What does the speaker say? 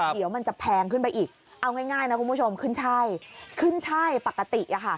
เดี๋ยวมันจะแพงขึ้นไปอีกเอาง่ายนะคุณผู้ชมขึ้นใช่